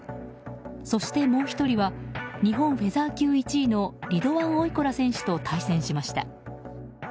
そして、もう１人は日本フェザー級１位のリドワン・オイコラ選手と対戦しました。